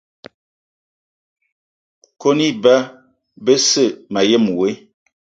Kone iba besse mayen woe.